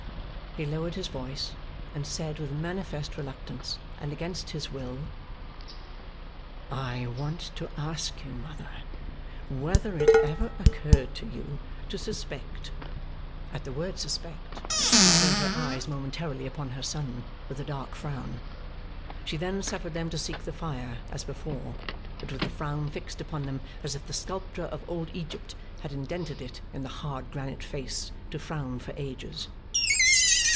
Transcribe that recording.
He lowered his voice, and said, with manifest reluctance, and against his will: 'I want to ask you, mother, whether it ever occurred to you to suspect ' At the word Suspect, she turned her eyes momentarily upon her son, with a dark frown. She then suffered them to seek the fire, as before; but with the frown fixed above them, as if the sculptor of old Egypt had indented it in the hard granite face, to frown for ages.